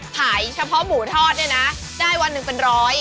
ขายเฉพาะหมูทอดเนี่ยนะได้วันหนึ่งเป็นร้อย